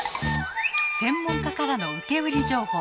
専門家からの受け売り情報。